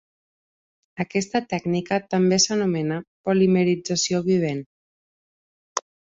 Aquesta tècnica també s'anomena polimerització vivent.